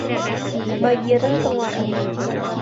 — Багираны тыңлағыҙ.